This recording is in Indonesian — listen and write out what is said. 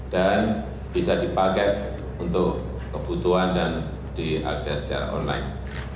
dan bisa dipakai untuk kebutuhan dan diakses secara online